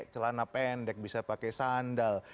celana pendek bisa pakai sandal